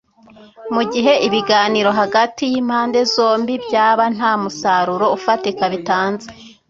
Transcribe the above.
Mu gihe ibiganiro hagati y’ impande zombi byaba nta musaruro ufatika bitanze